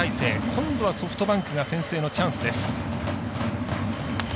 今度はソフトバンクが先制のチャンスです。